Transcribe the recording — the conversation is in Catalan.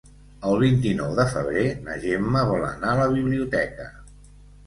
El vint-i-nou de febrer na Gemma vol anar a la biblioteca.